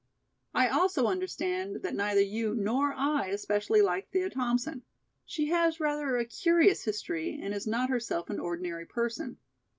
I also understand that neither you nor I especially like Thea Thompson. She has rather a curious history and is not herself an ordinary person.